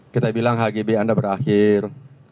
kita bilang hgb anda berakhir